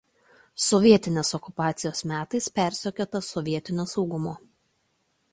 Sovietinės okupacijos metais persekiotas sovietinio saugumo.